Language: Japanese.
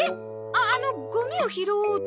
ああのゴミを拾おうと。